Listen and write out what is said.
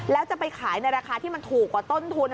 แล้วจะไปขายในราคาที่มันถูกกว่าต้นทุน